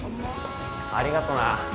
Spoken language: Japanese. ありがとな。